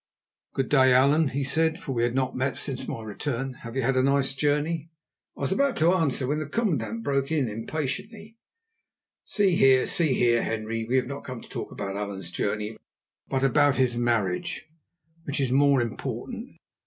"Good day, Allan," he said, for we had not met since my return. "Have you had a nice journey?" I was about to answer when the commandant broke in impatiently: "See here, see here, Henri, we have not come to talk about Allan's journey, but about his marriage, which is more important.